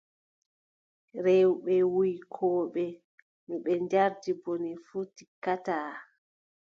Rewɓe wuykooɓe, no ɓe njardi bone fuu, tikkataa.